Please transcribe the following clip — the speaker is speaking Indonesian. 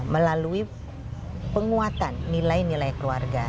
melalui penguatan nilai nilai keluarga